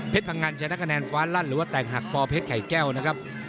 พังงันชนะคะแนนฟ้าลั่นหรือว่าแตกหักปอเพชรไข่แก้วนะครับ